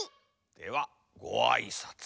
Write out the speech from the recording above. ではごあいさつ。